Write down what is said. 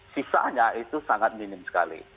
sisanya itu sangat minim sekali